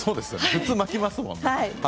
普通、巻きますもんね。